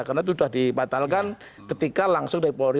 karena itu sudah dibatalkan ketika langsung dari polri